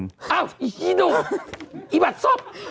หาวอี้โถอี้หวัดซบ